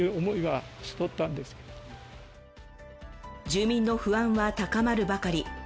住民の不安は高まるばかり。